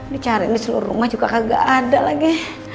dicari di seluruh rumah juga kagak ada lagi